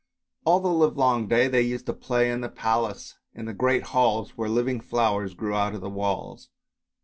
All the livelong day they used to play in the palace in the great halls, where living flowers grew out of the walls.